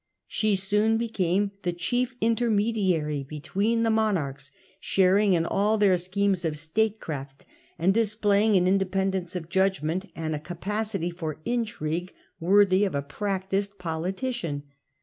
She soon became the chief intermediary between the monarchs, sharing in all their schemes of statecraft, and displaying an independence of judgment and a capacity for intrigue worthy of a practised poli tician.